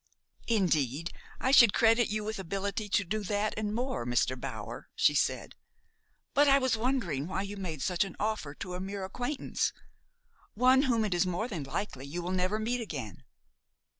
"Indeed I should credit you with ability to do that and more, Mr. Bower," she said; "but I was wondering why you made such an offer to a mere acquaintance, one whom it is more than likely you will never meet again."